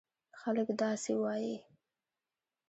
خلک داسې وایي: